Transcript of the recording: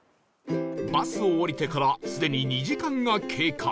バスを降りてからすでに２時間が経過